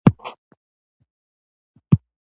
ښاروالي د ښار د پاکوالي مسووله ده